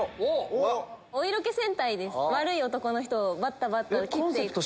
お色気戦隊です悪い男の人をバッタバッタと斬っていく。